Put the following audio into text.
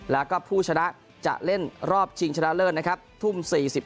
แล้วก็ผู้ชนะจะเล่นรอบชิงชนะเลิศนะครับทุ่ม๔๕